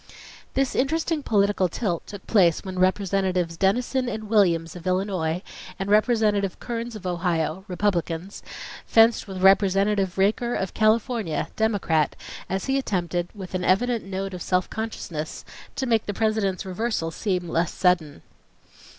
This interesting political tilt took place when Representatives Dennison and Williams of Illinois, and Representative Kearns of Ohio, Republicans, fenced with Representative Raker of California, Democrat, as he attempted, with an evident note of self consciousness, to make the President's reversal seem less sudden.